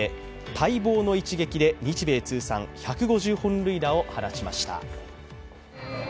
待望の一撃で日米通算１５０本塁打を放ちました。